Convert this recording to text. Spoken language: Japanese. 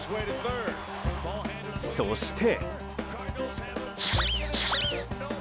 そして。